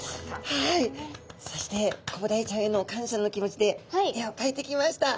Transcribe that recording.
はいそしてコブダイちゃんへの感謝の気持ちで絵をかいてきました。